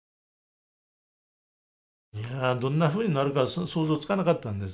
いやどんなふうになるか想像がつかなかったんです。